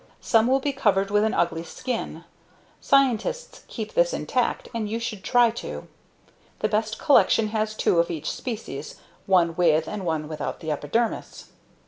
Some will be covered with an ugly skin scientists keep this intact and you should try to. The best collection has two of each species one with and one without the epidermis.